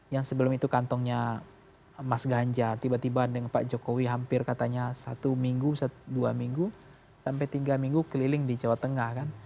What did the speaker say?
yang sebelum itu kantongnya mas ganjar tiba tiba dengan pak jokowi hampir katanya satu minggu dua minggu sampai tiga minggu keliling di jawa tengah kan